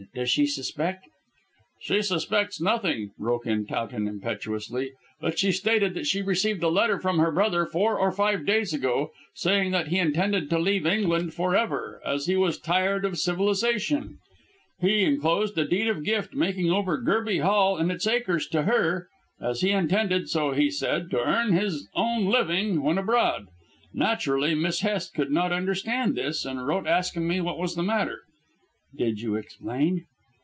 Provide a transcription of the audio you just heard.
Does she suspect " "She suspects nothing," broke in Towton impetuously. "But she stated that she had received a letter from her brother four or five days ago saying that he intended to leave England for ever, as he was tired of civilisation. He enclosed a Deed of Gift, making over Gerby Hall and its acres to her, as he intended so he said to earn his own living when abroad. Naturally, Miss Hest could not understand this, and wrote asking me what was the matter." "Did you explain?"